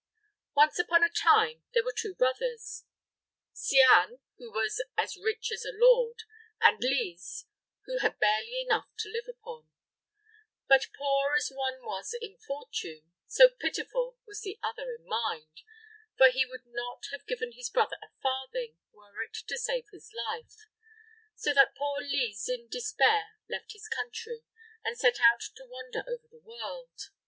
Once upon a time there were two brothers, Cianne, who was as rich as a lord, and Lise, who had barely enough to live upon; but poor as one was in fortune, so pitiful was the other in mind, for he would not have given his brother a farthing were it to save his life; so that poor Lise in despair left his country, and set out to wander over the world.